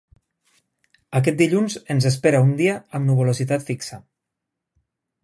Aquest dilluns, ens espera un dia amb nuvolositat fixa.